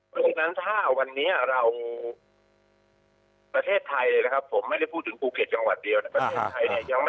ดังนั้นถ้าวันนี้เราประเทศไทยไม่ได้พูดถึงบูเกตจังหวัดเดียวนะ